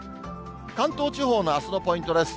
関東地方のあすのポイントです。